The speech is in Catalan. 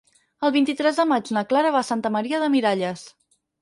El vint-i-tres de maig na Clara va a Santa Maria de Miralles.